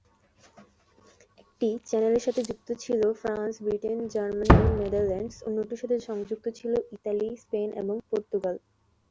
একটি চ্যানেলের সাথে যুক্ত ছিল ফ্রান্স, ব্রিটেন, জার্মানি এবং নেদারল্যান্ডস, অন্যটির সাথে সংযুক্ত ছিল ইতালি, স্পেন এবং পর্তুগাল।